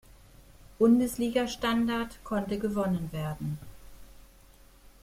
Bundesliga Standard konnte gewonnen werden.